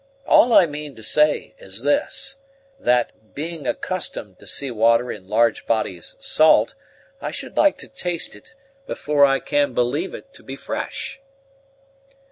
All I mean to say is this: that, being accustomed to see water in large bodies salt, I should like to taste it before I can believe it to be fresh."